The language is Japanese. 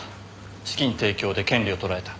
資金提供で権利を取られた。